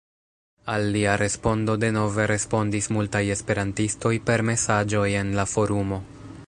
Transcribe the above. Al lia respondo denove respondis multaj Esperantistoj per mesaĝoj en la forumo.